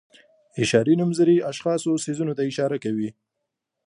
اشاري نومځري اشخاصو او څیزونو ته اشاره کوي.